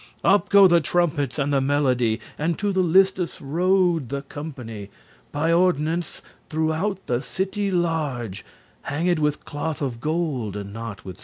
Up go the trumpets and the melody, And to the listes rode the company *By ordinance*, throughout the city large, *in orderly array* Hanged with cloth of gold, and not with sarge*.